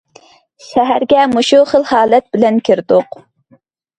شەھەرگە مۇشۇ خىل ھالەت بىلەن كىردۇق.